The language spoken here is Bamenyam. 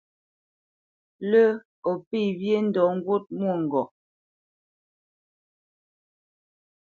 Lə́ o pé wyê ndɔ ŋgût mwôŋgɔʼ.